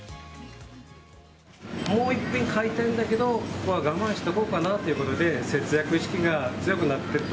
もう一品買いたいんだけど、ここは我慢しておこうかなということで、節約意識が強くなっていると。